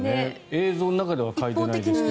映像の中では嗅いでないですが。